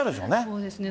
そうですね。